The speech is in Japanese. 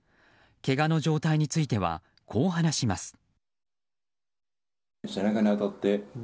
けがの状態についてはこう話します。